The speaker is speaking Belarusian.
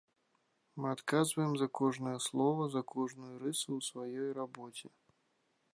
Мы адказваем за кожнае слова, за кожную рысу ў сваёй рабоце.